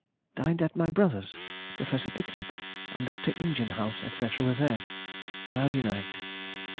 _—Dined at my brother's. Professor Pictet and Dr. Ingenhouse, &c., were there. Cloudy night.